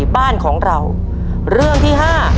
๔บ้านของเรา